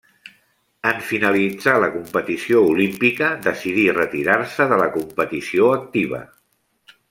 En finalitzar la competició olímpica decidí retirar-se de la competició activa.